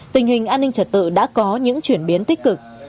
tình hình an ninh trật tự đã có những chuyển biến tích cực